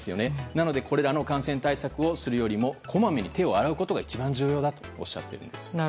なのでこれらの感染対策をするよりもこまめに手を洗うことが一番重要だとおっしゃっています。